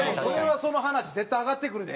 その話絶対上がってくるで。